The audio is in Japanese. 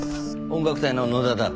音楽隊の野田だ。